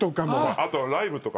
あとライブとか。